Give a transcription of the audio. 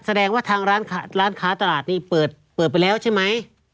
แสดงว่าทางร้านค้าตลาดนี่เปิดไปแล้วใช่ไหม